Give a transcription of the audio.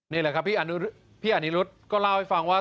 นี่แหละครับพี่อานิรุธก็เล่าให้ฟังว่า